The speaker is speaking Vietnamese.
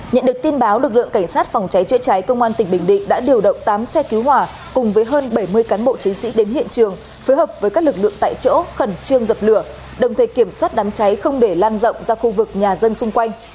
nhận được tin báo lực lượng cảnh sát phòng cháy chữa cháy công an tỉnh bình định đã điều động tám xe cứu hỏa cùng với hơn bảy mươi cán bộ chiến sĩ đến hiện trường phối hợp với các lực lượng tại chỗ khẩn trương dập lửa đồng thời kiểm soát đám cháy không để lan rộng ra khu vực nhà dân xung quanh